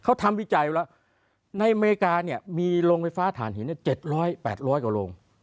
เขาทำวิจัยไว้แล้วในอเมริกาเนี่ยมีโรงไฟฟ้าฐานหิน๗๐๐๘๐๐กว่าโรง